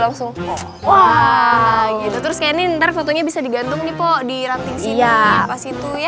langsung wow terus kayaknya ntar fotonya bisa digantung nih po di ranting sini pas itu ya